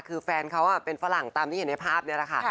คือแฟนเขาเป็นฝรั่งตามที่เห็นในภาพนี้แหละค่ะ